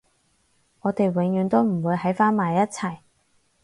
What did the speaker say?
我哋永遠都唔會喺返埋一齊